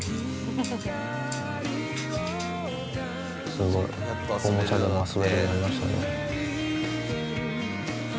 すごいおもちゃでも遊べるようになりましたね。